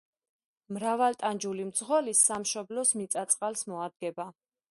მრავალტანჯული მძღოლი სამშობლოს მიწა–წყალს მოადგება.